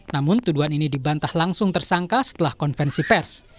namun tuduhan ini dibantah langsung tersangka setelah konvensi pers